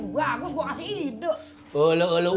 bagus bagus gue kasih ide